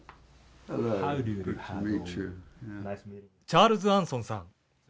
チャールズ・アンソンさん。